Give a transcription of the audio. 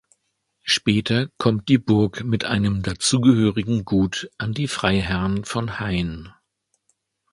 Später kommt die Burg mit einem dazugehörigen Gut an die Freiherren von Hayn.